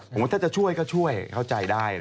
ผมว่าถ้าจะช่วยก็ช่วยเข้าใจได้